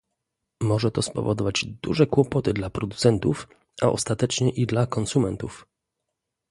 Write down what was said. Może to spowodować duże kłopoty dla producentów, a ostatecznie i dla konsumentów